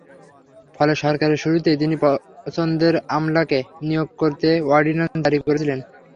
ফলে সরকারের শুরুতেই তিনি পছন্দের আমলাকে নিয়োগ করতে অর্ডিন্যান্স জারি করেছিলেন।